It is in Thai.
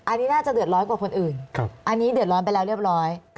อันนี้น่าจะเดือดร้อนกว่าคนอื่นอันนี้เดือดร้อนไปแล้วเรียบร้อย